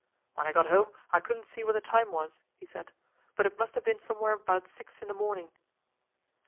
"When I got home I couldn't see what the time was," he said; "but it must have been somewhere about six in the morning."